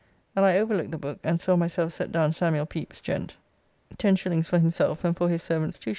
] and I overlooked the book and saw myself set down Samuel Pepys, gent. 10s. for himself and for his servants 2s.